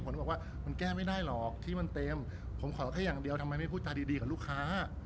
ผมก็บอกว่ามันแก้ไม่ได้หรอกที่มันเต็มผมขอแค่อย่างเดียวทำไมไม่พูดจาดีกับลูกค้า